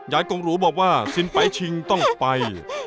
กงหรูบอกว่าสินไปชิงต้องไป